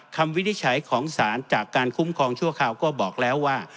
วินิจฉัยของสารจากการคุ้มครองชั่วคราวก็บอกแล้วว่า